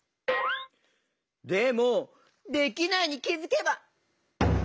でも「できないに気づけば」？